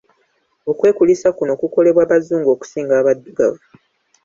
Okwekulisa kuno kukolebwa Bazungu okusinga abaddugavu.